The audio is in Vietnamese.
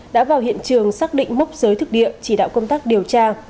đã vào hiện trường xác định mốc giới thực địa chỉ đạo công tác điều tra